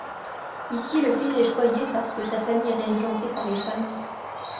Ici, le fils est choyé parce que sa famille est régentée par les femmes.